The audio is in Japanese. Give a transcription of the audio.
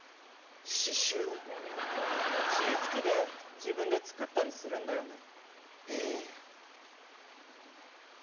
詩好きで自分で作ったりするんだよね